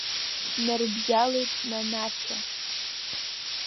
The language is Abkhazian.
Днарыбжьалеит Нанашьа.